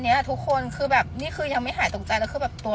เนี้ยทุกคนคือแบบนี่คือยังไม่หายตรงใจแล้วคือแบบตัว